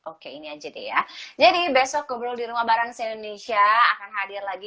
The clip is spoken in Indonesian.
oke ini aja deh ya jadi besok ngobrol di rumah bareng si indonesia akan hadir lagi